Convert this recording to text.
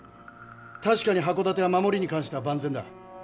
確かに箱館は守りに関しては万全だ。